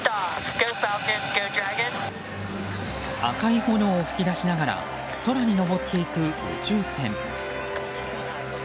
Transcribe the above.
赤い炎を噴き出しながら空に上っていく宇宙船。